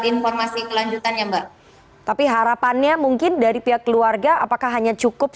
informasi kelanjutannya mbak tapi harapannya mungkin dari pihak keluarga apakah hanya cukup